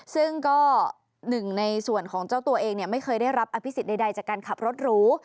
ซึ่งก็หนึ่งในส่วนของเจ้าตัวเองไม่เคยได้รับอภิษฎใดจากการขับรถหรู